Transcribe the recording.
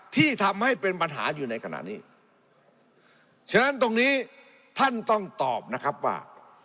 ที่ทำให้เป็นปัญหาอยู่ในขณะนี้ฉะนั้นตรงนี้ท่านต้องตอบนะครับว่า